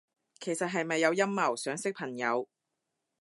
其實係咪有陰謀，想識朋友？